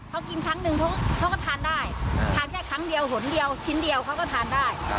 เขากินครั้งหนึ่งเขาก็ทานได้ทานแค่ครั้งเดียวหนเดียวชิ้นเดียวเขาก็ทานได้